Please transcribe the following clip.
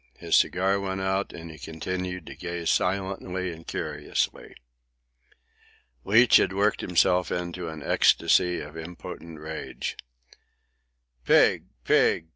His cigar went out, and he continued to gaze silently and curiously. Leach had worked himself into an ecstasy of impotent rage. "Pig! Pig!